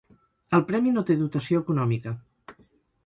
El premi no té dotació econòmica.